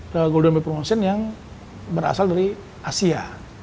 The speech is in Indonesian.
the golden by promotion yang berasal dari asia